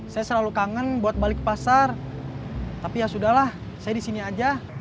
saya selalu kangen buat balik pasar tapi ya sudahlah saya disini aja